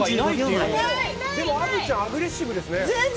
でも虻ちゃんアグレッシブですね。